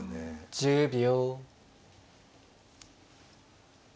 １０秒。